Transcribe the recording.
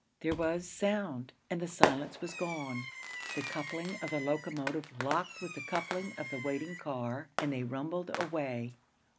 There was sound, and the silence was gone. The coupling of the locomotive locked with the coupling of the waiting car, and they rumbled away.